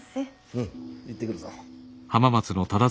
うん行ってくるぞ。